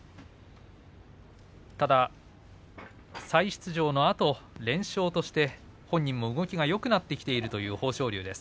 ただ再出場のあと連勝として本人も動きがよくなってきているという豊昇龍です。